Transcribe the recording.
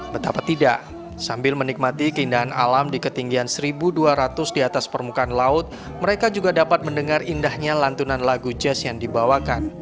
betapa tidak sambil menikmati keindahan alam di ketinggian satu dua ratus di atas permukaan laut mereka juga dapat mendengar indahnya lantunan lagu jazz yang dibawakan